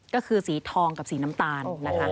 ก็คือสีทองกับสีน้ำตาลนะคะ